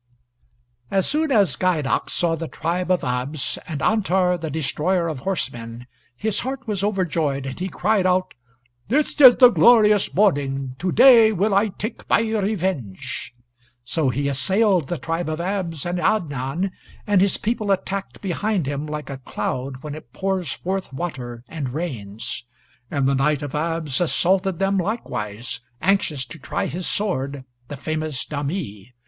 ] As soon as Gheidac saw the tribe of Abs, and Antar the destroyer of horsemen, his heart was overjoyed and he cried out, "This is a glorious morning; to day will I take my revenge." So he assailed the tribe of Abs and Adnan, and his people attacked behind him like a cloud when it pours forth water and rains. And the Knight of Abs assaulted them likewise, anxious to try his sword, the famous Dhami.